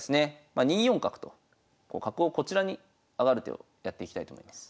まあ２四角と角をこちらに上がる手をやっていきたいと思います。